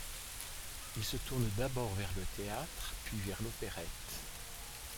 Il se tourne d'abord vers le théâtre, puis vers l'opérette.